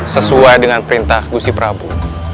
sesuai dengan perintah gusti prabu